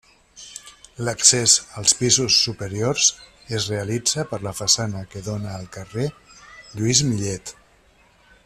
L'accés als pisos superiors es realitza per la façana que dóna al carrer Lluís Millet.